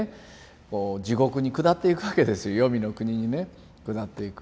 こう地獄に下っていくわけですよ黄泉の国にね下っていく。